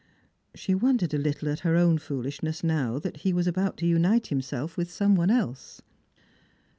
She wondered a little at her own foolishness now that he was about to unite himself with some one else.